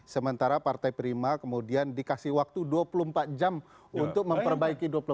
sementara partai prima kemudian dikasih waktu dua puluh empat jam untuk memperbaiki